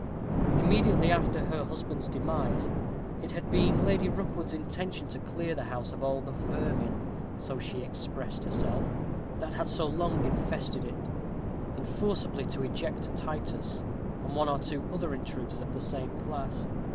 Immediately after her husband's demise, it had been Lady Rookwood's intention to clear the house of all the "vermin," so she expressed herself, that had so long infested it; and forcibly to eject Titus, and one or two other intruders of the same class.